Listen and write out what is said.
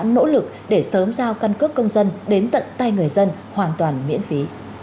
nỗ lực để sớm giao căn cước công dân đến tận tay người dân hoàn toàn miễn phí